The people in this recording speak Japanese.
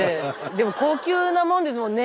でも高級なもんですもんね